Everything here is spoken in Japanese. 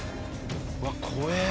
うわ怖え！